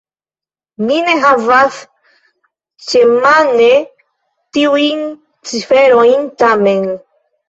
Mi ne havas ĉemane tiujn ciferojn, tamen.